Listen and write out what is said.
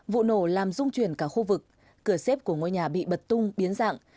vụ nổ làm rung chuyển cả khu vực cửa xếp của ngôi nhà bị bật tung biến dạng